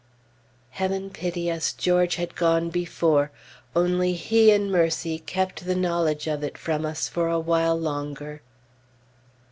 Heaven pity us! George had gone before only He in mercy kept the knowledge of it from us for a while longer.